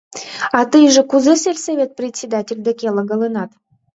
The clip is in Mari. — А тыйже кузе сельсовет председатель деке логалынат?